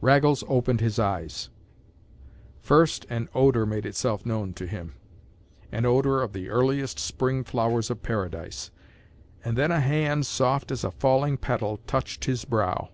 Raggles opened his eyes. First an odor made itself known to him—an odor of the earliest spring flowers of Paradise. And then a hand soft as a falling petal touched his brow.